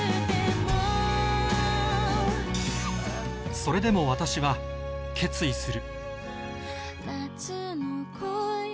それでも私は決意する